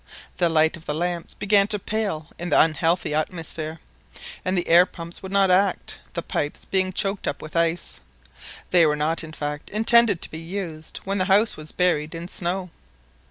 The light of the lamps began to pale in the unhealthy atmosphere, and the air pumps would not act, the pipes being choked up with ice; they were not, in fact, intended to be used when the house was buried in snow.